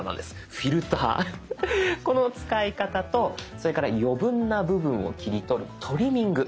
フィルターこの使い方とそれから余分な部分を切り取る「トリミング」。